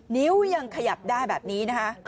นิ้วยังขยับได้แบบนี้นะคะ